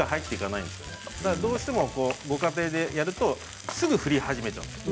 どうしてもご家庭でやるとすぐ振り始めちゃう。